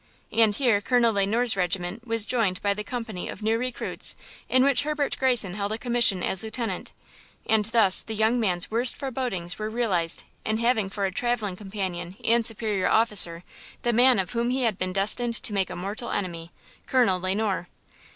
And here Colonel Le Noir's regiment was joined by the company of new recruits in which Herbert Greyson held a commission as lieutenant, and thus the young man's worst forebodings were realized in having for a traveling companion and superior officer the man of whom he had been destined to make a mortal enemy, Colonel Le Noir.